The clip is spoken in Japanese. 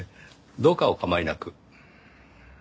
どうかお構いなく。